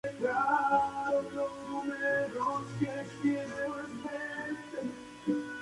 Dispone además de una tienda propia de material universitario corporativo.